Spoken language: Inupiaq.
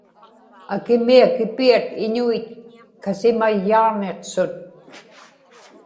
akimiakipiat iñuit kasimayyaġniqsut